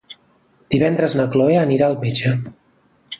Divendres na Cloè anirà al metge.